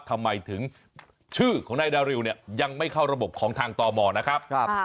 ทำไมถึงชื่อของนายดาริวเนี่ยยังไม่เข้าระบบของทางตมนะครับ